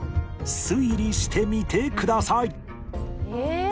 推理してみてくださいえっ！